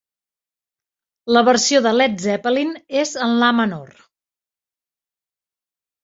La versió de Led Zeppelin és en la menor.